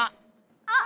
あっ！